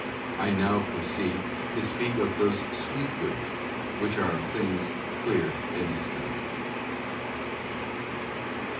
I now proceed to speak of those Sweet Goods, which are of things clear and distinct.